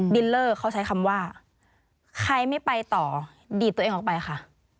ดินเลอร์เขาใช้คำว่าใครไม่ไปต่อดีดตัวเองออกไปค่ะ